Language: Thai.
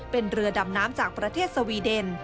เป็นเรือดำน้ำจากประเทศสวีเดน